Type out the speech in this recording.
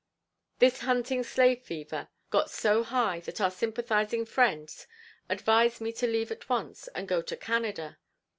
This hunting slave fever got so high that our sympathizing friends advised me to leave at once and go to Canada.